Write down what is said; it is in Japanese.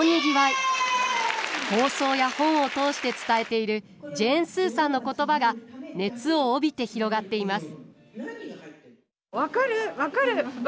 放送や本を通して伝えているジェーン・スーさんの言葉が熱を帯びて広がっています。